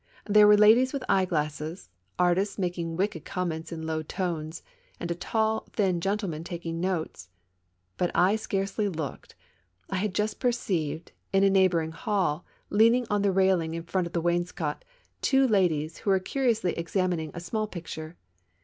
There were ladies with eye glasses, artists making wicked comments in low tones, and a tall, thin gentleman taking notes. But I scarcely looked. I had just perceived, in a neighboring hall, leaning on the rail ing in front of the wainscot, two ladies who were curi ously examining a small picture.